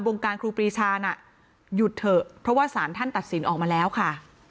วงการครูปรีชาน่ะหยุดเถอะเพราะว่าสารท่านตัดสินออกมาแล้วค่ะ